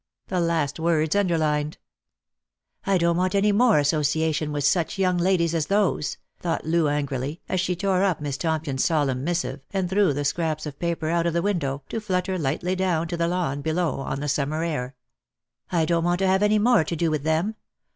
The last words underlined. " I don't want any more association with such young ladies as those," thought Loo angrily, as she tore up Miss Tompion's solemn missive, and threw the scraps of paper out of the win dow, to flutter lightly down to the lawn below on the summer air. " I don't want to have any more to do with them.